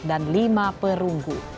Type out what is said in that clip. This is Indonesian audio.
dan lima perunggu